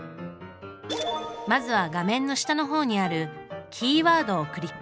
まずは画面の下の方にある「キーワード」をクリック。